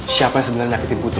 siapa yang sebenarnya nyakitin putri